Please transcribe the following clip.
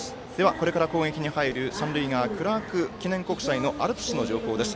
これから攻撃に入る、三塁側クラーク記念国際のアルプスの情報です。